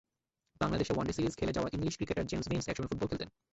বাংলাদেশে one day series খেলে যাওয়া ইংলিশ ক্রিকেটার জেমস ভিন্স একসময় ফুটবল খেলতেন।